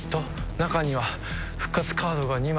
中には復活カードが２枚。